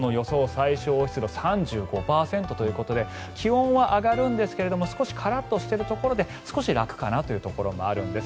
最小湿度３５％ということで気温は上がるんですが少しカラッとしているところで少し楽かなというところもあるんです。